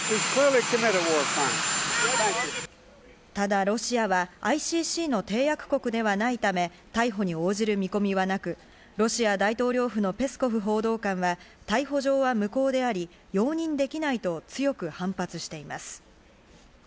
ただロシアはＩＣＣの締約国ではないため、逮捕に応じる見込みはなく、ロシア大統領府のペスコフ報道官は逮捕状は無効であり、容認できないと強く反発しています。